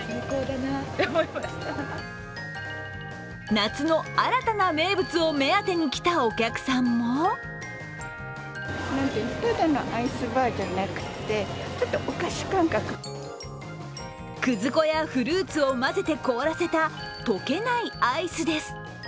夏の新たな名物を目当てに来たお客さんも葛粉やフルーツを混ぜて凍らせた溶けないアイスです。